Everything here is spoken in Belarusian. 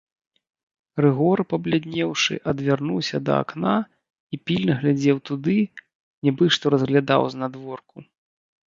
Рыгор, пабляднеўшы, адвярнуўся да акна і пільна глядзеў туды, нібы што разглядаў знадворку.